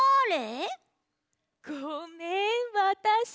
ごめんわたし。